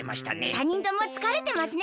３にんともつかれてますね。